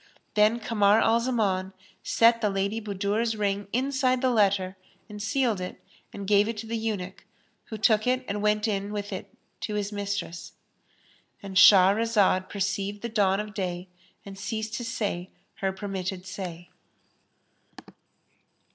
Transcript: Then Kamar al Zaman set the Lady Budur's ring inside the letter and sealed it and gave it to the eunuch, who took it and went in with it to his mistress.—And Shahrazad perceived the dawn of day and ceased to say her permitted say.